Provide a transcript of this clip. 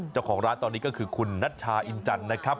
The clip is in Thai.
เจ้าของร้านตอนนี้ก็คือคุณนัชชาอินจันทร์นะครับ